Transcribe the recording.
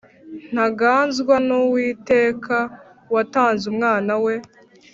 Ntanganzwa n’uwiteka watanze umwana we